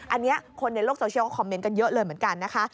อันนี้คนในโลกโซเชียลก็คอมเมนต์กันเยอะเลยเหมือนกันนะคะ